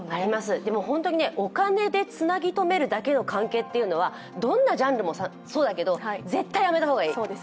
でもホントにお金でつなぎ止めるだけの関係というのは、どんなジャンルもそうだけど絶対やめた方がいい。